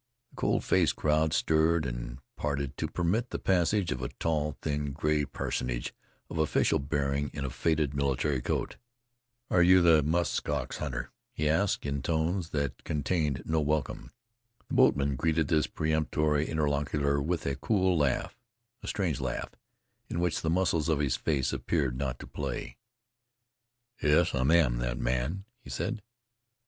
The cold faced crowd stirred and parted to permit the passage of a tall, thin, gray personage of official bearing, in a faded military coat. "Are you the musk ox hunter?" he asked, in tones that contained no welcome. The boatman greeted this peremptory interlocutor with a cool laugh a strange laugh, in which the muscles of his face appeared not to play. "Yes, I am the man," he said.